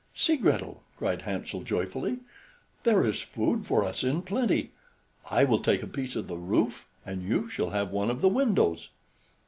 "See, Gretel," cried Hansel joyfully, "there is food for us in plenty. I will take a piece of the roof, and you shall have one of the windows."